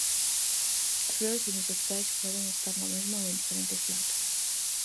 As flores unisexuais poden estar na mesma ou en diferentes plantas.